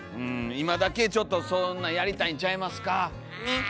今だけちょっとそんなんやりたいんちゃいますか。ね！